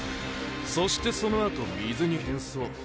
そしてその後水に変装。